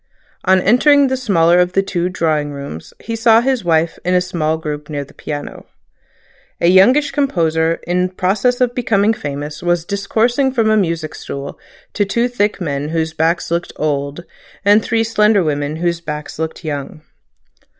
On entering the smaller of the two drawing rooms he saw his wife in a small group near the piano. A youngish composer in pass of becoming famous was discoursing from a music stool to two thick men whose backs looked old, and three slender women whose backs looked young.